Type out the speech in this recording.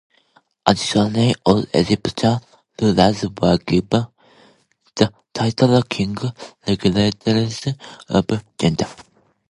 Additionally, all Egyptian rulers were given the title 'king', regardless of gender.